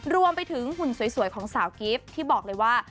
หุ่นสวยของสาวกิฟต์ที่บอกเลยว่า